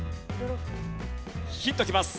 ヒントきます。